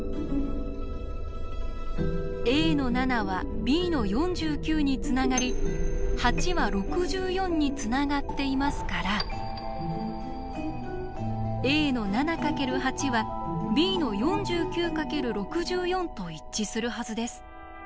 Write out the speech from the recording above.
Ａの７はＢの４９につながり８は６４につながっていますからＡの７×８はＢの４９×６４と一致するはずです。